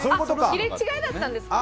入れ違いだったんですね。